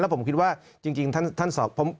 ผมคิดว่าจริงท่านสอบ